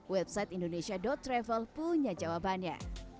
website indonesia travel punya jawabannya